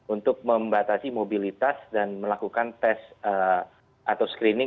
untuk membatasi mobilitas dan melakukan tes atau screening